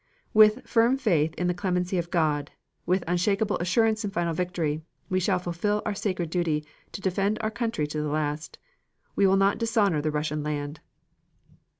With firm faith in the clemency of God, with unshakable assurance in final victory, we shall fulfil our sacred duty to defend our country to the last. We will not dishonor the Russian land.